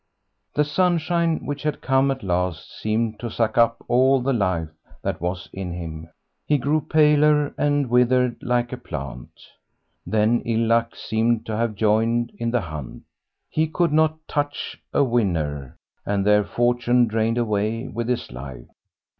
The sunshine which had come at last seemed to suck up all the life that was in him; he grew paler, and withered like a plant. Then ill luck seemed to have joined in the hunt; he could not "touch" a winner, and their fortune drained away with his life.